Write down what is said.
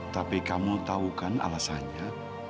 tapi kamu tahu kan alasannya